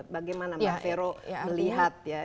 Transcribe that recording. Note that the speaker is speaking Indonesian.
bagaimana mbak vero melihat ya